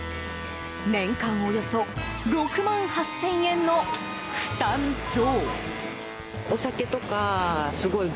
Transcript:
年間およそ６万８０００円の負担増。